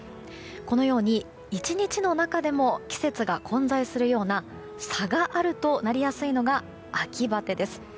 このように、１日の中でも季節が混在するような差があるとなりやすいのが秋バテです。